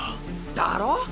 だろ？